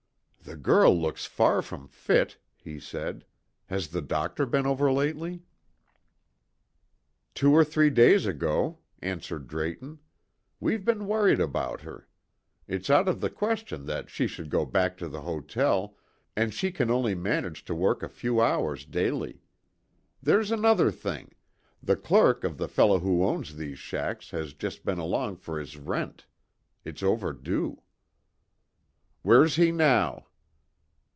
"The girl looks far from fit," he said. "Has the doctor been over lately?" "Two or three days ago," answered Drayton. "We've been worried about her. It's out of the question that she should go back to the hotel, and she can only manage to work a few hours daily. There's another thing the clerk of the fellow who owns these shacks has just been along for his rent. It's overdue." "Where's he now?"